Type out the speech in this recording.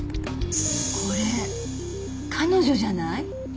これ彼女じゃない？